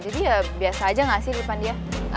jadi ya biasa aja gak sih di depan dia